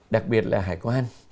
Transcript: đặc biệt là hải quan